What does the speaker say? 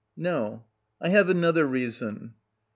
No, I have another reason.